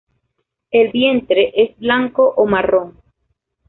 El vientre es blanco o marrón.